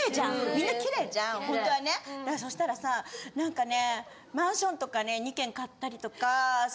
みんなキレイじゃんほんとはねそしたらさ何かね。